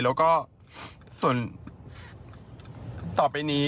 แล้วก็ส่วนต่อไปนี้